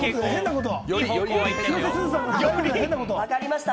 分かりました。